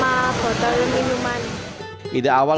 pada awal untuk membeli sampah